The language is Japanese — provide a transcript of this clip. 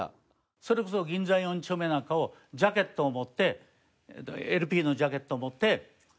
それこそ銀座４丁目なんかをジャケットを持ってＬＰのジャケットを持って行進させると。